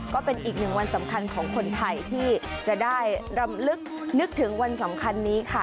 ก็เป็นอีกหนึ่งวันสำคัญของคนไทยที่จะได้รำลึกนึกถึงวันสำคัญนี้ค่ะ